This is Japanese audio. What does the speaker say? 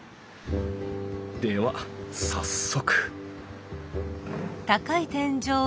では早速！